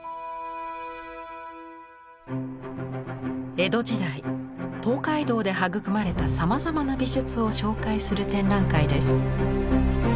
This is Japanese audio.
江戸時代東海道で育まれたさまざまな美術を紹介する展覧会です。